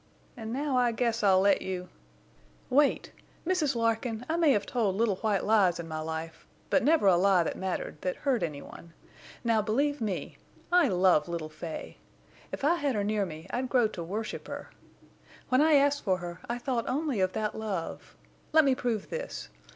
And now I guess I'll let you—" "Wait! Mrs. Larkin, I may have told little white lies in my life, but never a lie that mattered, that hurt any one. Now believe me. I love little Fay. If I had her near me I'd grow to worship her. When I asked for her I thought only of that love.... Let me prove this.